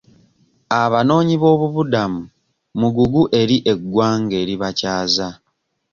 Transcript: Abanoonyiboobubudamu mugugu eri eggwanga eribakyaza.